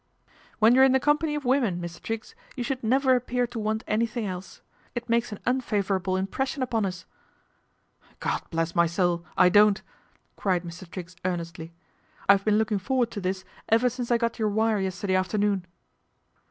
" When you're in the company of women, Mi Triggs, you should never appear to want anythin else. It makes an unfavourable impression upo us." " God bless my soul, I don't !" cried Mr. Trig earnestly. "I've been looking forward to this eve since I got your wire yesterday afternoon."